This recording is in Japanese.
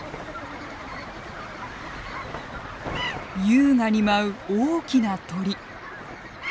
優雅に舞う大きな鳥。